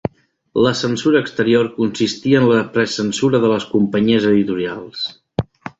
La censura exterior consistia en la precensura de les companyies editorials.